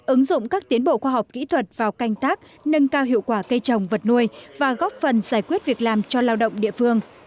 ứng dụng các tiến bộ khoa học kỹ thuật vào canh tác nâng cao hiệu quả cây trồng vật nuôi và góp phần giải quyết việc làm cho lao động địa phương